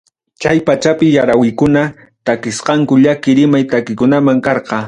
Chay pachapi yarawikuna takisqankuqa llaki rimay takikunam karqa.